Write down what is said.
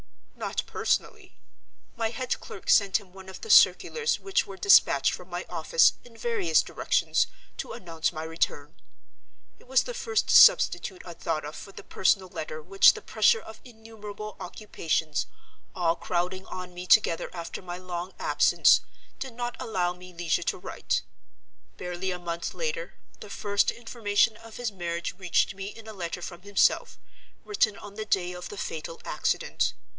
"Not personally. My head clerk sent him one of the circulars which were dispatched from my office, in various directions, to announce my return. It was the first substitute I thought of for the personal letter which the pressure of innumerable occupations, all crowding on me together after my long absence, did not allow me leisure to write. Barely a month later, the first information of his marriage reached me in a letter from himself, written on the day of the fatal accident.